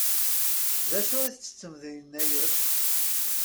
D acu i ttettem di Yennayer?